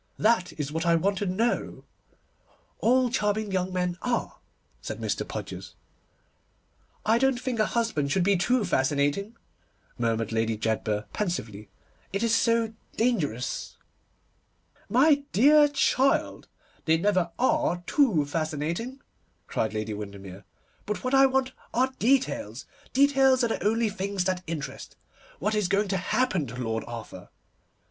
That is what I want to know.' 'All charming young men are,' said Mr. Podgers. 'I don't think a husband should be too fascinating,' murmured Lady Jedburgh pensively, 'it is so dangerous.' 'My dear child, they never are too fascinating,' cried Lady Windermere. 'But what I want are details. Details are the only things that interest. What is going to happen to Lord Arthur?